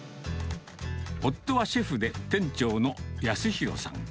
夫はシェフで店長の康弘さん。